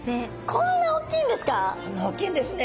こんなおっきいんですね。